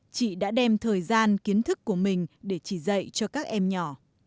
chị đã đem thời gian kiến thức của mình để chỉ dạy cho các em nhỏ